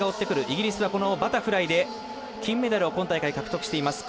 イギリスはバタフライで金メダルを今大会獲得しています